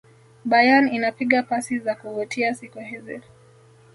bayern inapiga pasi za kuvutia siku hizi